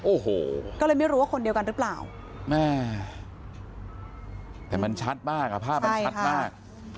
โอ้โหก็เลยไม่รู้ว่าคนเดียวกันหรือเปล่าแม่แต่มันชัดมากอ่ะภาพมันชัดมาก